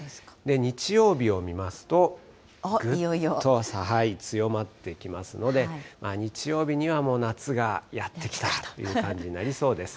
日曜日を見ますと、ぐっと強まってきますので、日曜日にはもう、夏がやって来たなという感じになりそうです。